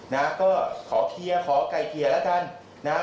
นะก็ขอเคลียร์ขอไก่เคลียร์แล้วกันนะ